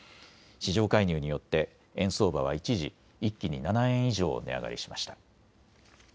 市場介入によって円相場は一時、一気に７円以上値上がりしました。